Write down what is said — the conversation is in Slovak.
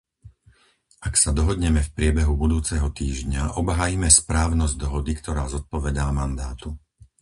Ak sa dohodneme v priebehu budúceho týždňa, obhájime správnosť dohody, ktorá zodpovedá mandátu.